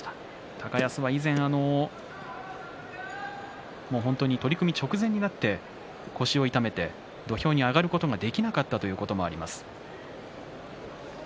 高安は以前、本当に取組直前になって腰を痛めて土俵に上がることができなかったこともあります。